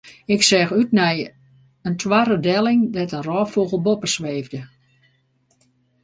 Ik seach út oer in toarre delling dêr't in rôffûgel boppe sweefde.